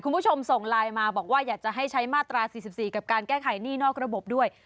คุณผู้ชมส่งไลน์มาบอกว่าอยากจะให้ใช้มาตรา๔๔กับการแก้ไขหนี้นอกระบบด้วย